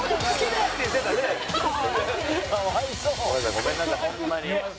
ごめんなさいホンマに。